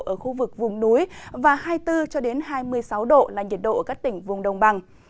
ở khu vực vùng núi và hai mươi bốn hai mươi sáu độ là nhiệt độ ở các tỉnh vùng đồng bằng